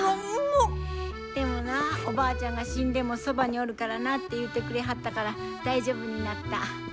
でもなおばあちゃんが死んでもそばにおるからなって言うてくれはったから大丈夫になった。